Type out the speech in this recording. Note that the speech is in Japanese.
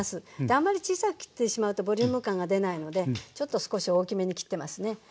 あまり小さく切ってしまうとボリューム感が出ないのでちょっと少し大きめに切ってますね。